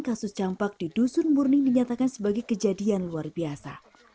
kasus campak di dusun murni dinyatakan sebagai kejadian luar biasa